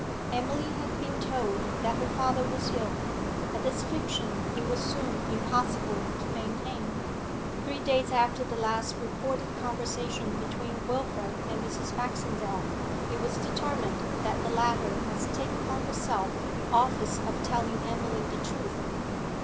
Emily had been told that her father was ill, but this fiction it was soon impossible to maintain. Three days after the last reported conversation between Wilfrid and Mrs. Baxendale, it was determined that the latter must take upon herself the office of telling Emily the truth.